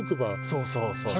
そうそうそう。